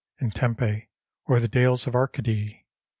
In Tempe or the dales of Arcady?